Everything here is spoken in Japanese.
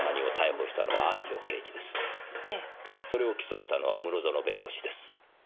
それを起訴したのは室園弁護士です。